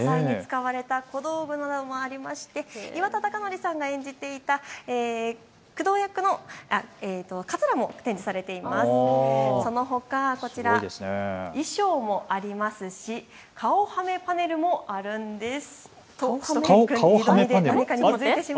実際に使われた小道具などもあって岩田剛典さんが演じていたかつらも展示されていますしそのほか、こちら、衣装もありますし、顔はめパネルもあるんです。